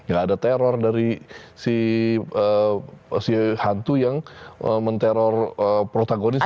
gak ada teror dari si hantu yang men teror protagonis gitu ya